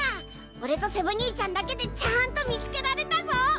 俺とセブ兄ちゃんだけでちゃんと見つけられたぞ！